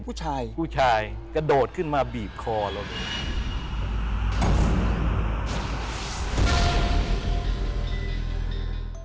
ผู้ชายผู้ชายกระโดดขึ้นมาบีบคอเรา